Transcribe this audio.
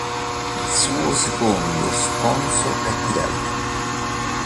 Il suo secondo sponsor è Pirelli.